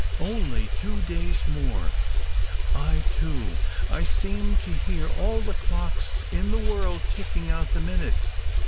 " Only two days more. I too — I seem to hear all the clocks in the world ticking out the minutes.